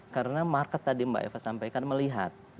karena market tadi mbak eva sampaikan melihat